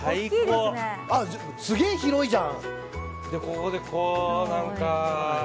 すげえ広いじゃん。